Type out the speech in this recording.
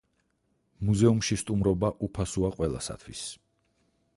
მუზეუმში სტუმრობა უფასოა ყველასათვის.